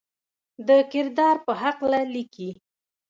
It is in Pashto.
د کردار پۀ حقله ليکي: